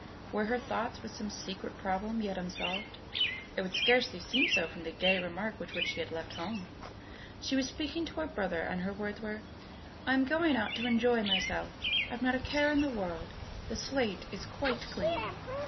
Were her thoughts with some secret problem yet unsolved? It would scarcely seem so from the gay remark with which she had left home. She was speaking to her brother and her words were: "I am going out to enjoy myself. I've not a care in the world. The slate is quite clean."